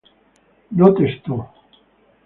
No testó.